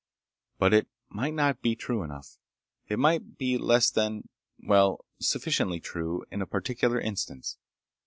But it might not be true enough. It might be less than ... well ... sufficiently true in a particular instance.